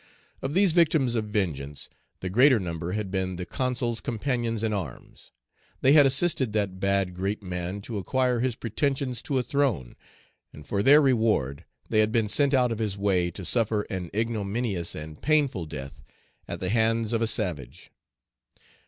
Of these victims of vengeance, the greater number had been the Consul's companions in arms; they had assisted that bad great man to acquire his pretensions to a throne, and for their reward they had been sent out of his way to suffer an ignominious and painful death at the hands of a savage.